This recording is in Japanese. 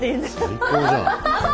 最高じゃん！